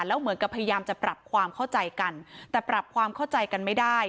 แล้วเหมือนกับพยายามจะปรับความเข้าใจกันแต่ปรับความเข้าใจกันไม่ได้